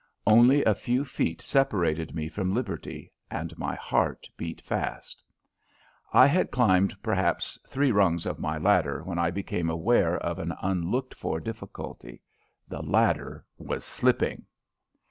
Only a few feet separated me from liberty, and my heart beat fast. I had climbed perhaps three rungs of my ladder when I became aware of an unlooked for difficulty. The ladder was slipping!